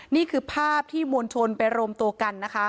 นี่คือภาพที่มนทลไปรมตัวกัน